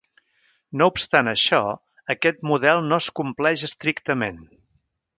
No obstant això, aquest model no es compleix estrictament.